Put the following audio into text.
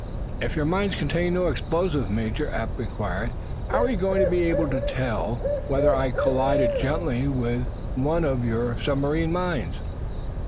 "If your mines contain no explosive, Major," Eph inquired, "how are you going to be able to tell whether I collide gently with one of your submarine mines?"